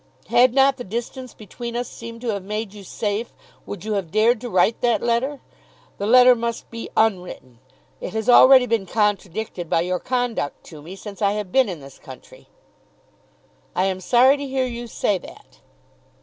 Had not the distance between us seemed to have made you safe would you have dared to write that letter? The letter must be unwritten. It has already been contradicted by your conduct to me since I have been in this country." "I am sorry to hear you say that."